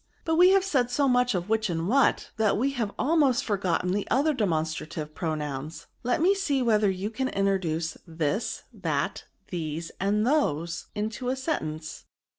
But we have said so much of which and what, that we have almost forgotten the other demonstrative pronouns ; let me see whether you can introduce this, that, these, and those, into a sentence."